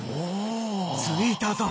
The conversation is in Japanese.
着いたぞ！